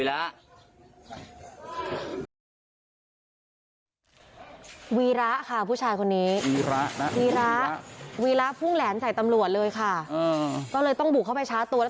อาจจะเย็นแต่สภาพจรรยาไม่รอดจริงต้องช้าตัวเท่านั้นค่ะ